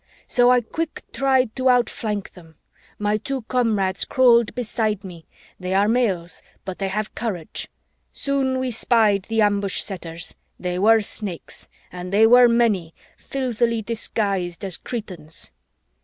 So I quick tried to outflank them. My two comrades crawled beside me they are males, but they have courage. Soon we spied the ambush setters. They were Snakes and they were many, filthily disguised as Cretans."